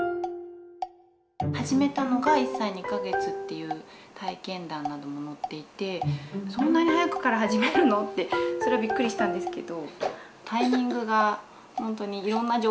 始めたのが１歳２か月っていう体験談なども載っていてそんなに早くから始めるの？ってそれはびっくりしたんですけど。